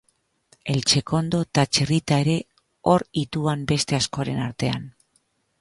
Eltzekondo ta Txirrita ere or ituan beste askoren artean.